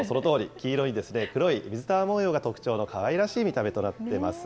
黄色に黒い水玉模様がかわいらしい見た目となっています。